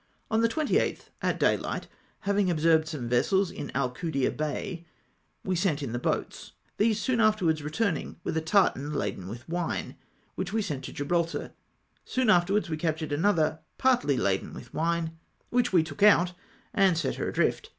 On the 28th at daylight, having observed some vessels in Alcudia Bay, we sent in the boats ; these soon after wards returning with a tartan laden with wine, whicli we sent to Gibraltar ; soon afterwards we captured another partly laden with wine, which we took out and set her adrift.